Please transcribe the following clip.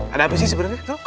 ada apa sih sebenarnya dok